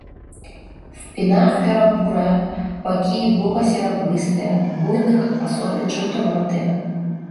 Спіна шэра-бурая, бакі і бруха серабрыстыя, у буйных асобін жаўтаватыя.